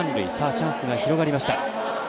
チャンスが広がりました。